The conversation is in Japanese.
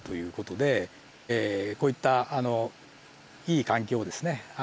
こういったいい環境をですね